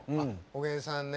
おげんさん